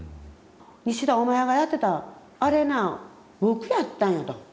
「西田お前がやってたあれな僕やったんや」と。